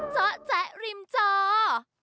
เจ้าแจริมเจ้า